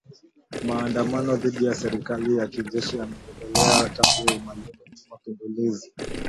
Maandamano dhidi ya serikali ya kijeshi yameendelea tangu mapinduzi